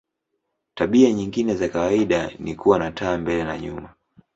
Tabia nyingine za kawaida ni kuwa na taa mbele na nyuma.